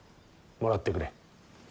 もらってくれ。